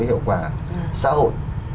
hiệu quả xã hội